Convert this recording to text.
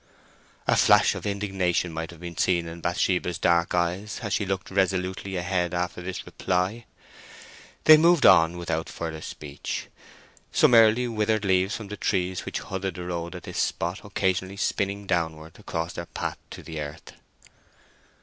A flash of indignation might have been seen in Bathsheba's dark eyes as she looked resolutely ahead after this reply. They moved on without further speech, some early withered leaves from the trees which hooded the road at this spot occasionally spinning downward across their path to the earth.